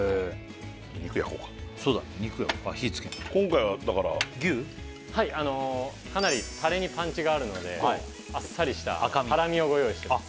肉焼こうか今回はだからはいかなりタレにパンチがあるのであっさりしたハラミをご用意してます